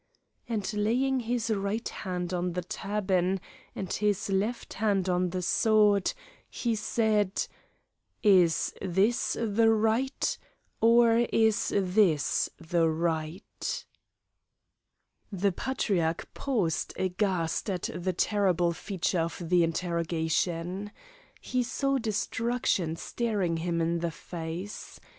And laying his right hand on the turban and his left hand on the sword, he said: "Is this the right, or is this the right?" The Patriarch paused aghast at the terrible feature of the interrogation. He saw destruction staring him in the face.